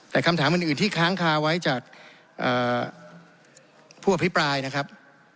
แต่คำถามอื่นที่ค้างคาไว้จากผู้อภิปรายนะครับ